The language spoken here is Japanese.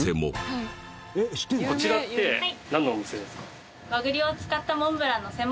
こちらってなんのお店ですか？